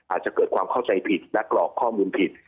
อาจจะเกิดความเข้าใจผิดและกรอกข้อมูลผิด